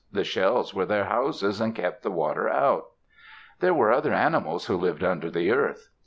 The shells were their houses and kept the water out. There were other animals who lived under the earth.